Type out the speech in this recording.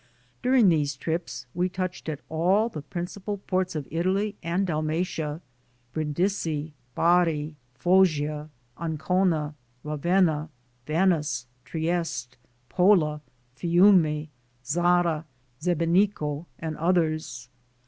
During these trips we touched at all the principal ports of Italy and Dalmatia ; Brin disi, Bari, Foggia, Ancona, Ravenna, Venice, Triest, Pola, Fiume, Zara, Sebenico, and others.